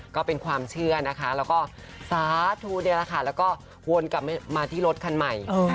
ก็เป็นความเชื่อนะคะแล้วก็สาธุนะคะเหินกลับมาที่รถคันใหม่